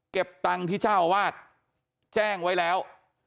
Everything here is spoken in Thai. ตังค์ที่เจ้าอาวาสแจ้งไว้แล้ว